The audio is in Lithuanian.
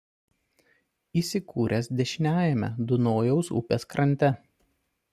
Įsikūręs dešiniajame Dunojaus upės krante.